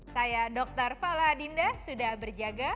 saya dokter fala dinda sudah berjaga